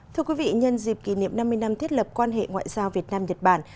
thưa quý vị nhân dịp kỷ niệm năm mươi năm thiết lập quan hệ ngoại giao việt nam nhật bản